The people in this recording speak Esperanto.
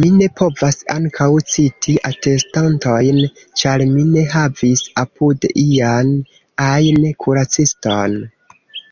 Mi ne povas ankaŭ citi atestantojn, ĉar mi ne havis apude ian ajn kuraciston.